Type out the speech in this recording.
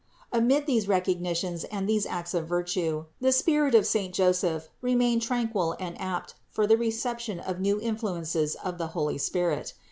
Amid these recogni tions and these acts of virtue, the spirit of saint Joseph remained tranquil and apt for the reception of new in fluences of the holy Spirit.